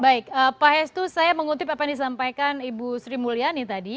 baik pak hestu saya mengutip apa yang disampaikan ibu sri mulyani tadi